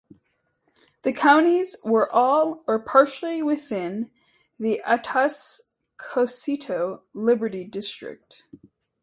The counties were all or partially within the Atascosito-Liberty District.